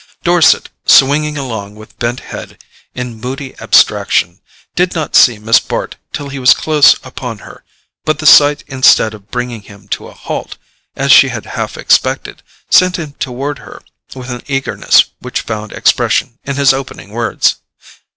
Dorset, swinging along with bent head, in moody abstraction, did not see Miss Bart till he was close upon her; but the sight, instead of bringing him to a halt, as she had half expected, sent him toward her with an eagerness which found expression in his opening words.